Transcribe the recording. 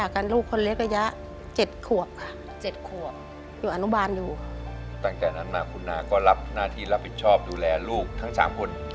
ขอบคุณนะพี่น้ำ